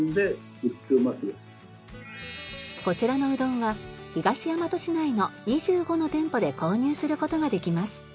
こちらのうどんは東大和市内の２５の店舗で購入する事ができます。